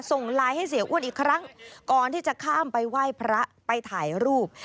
ส่งไลน์ให้เสียอ้วนอีกครั้งก่อนที่จะข้ามไปไหว้พระไปถ่ายรูป